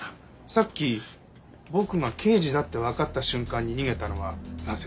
さっき僕が刑事だってわかった瞬間に逃げたのはなぜ？